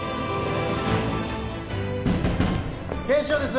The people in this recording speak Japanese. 警視庁です